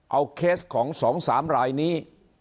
เอาเคสของสองสามรายนี้